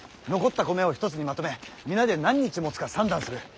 残った米を一つにまとめ皆で何日もつか算段する。